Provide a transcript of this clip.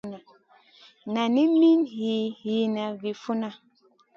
Nani mi Wii yihna vi funna.